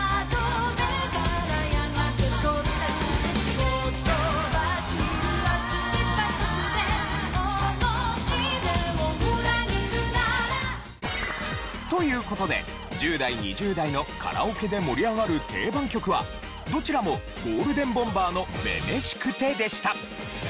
「ほとばしる熱いパトスで思い出を裏切るなら」という事で１０代２０代のカラオケで盛り上がる定番曲はどちらもゴールデンボンバーの『女々しくて』でした。